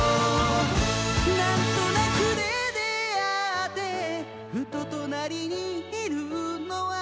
「なんとなくで出ってふと隣にいるのは」